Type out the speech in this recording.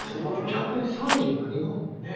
逆に３０何があんの？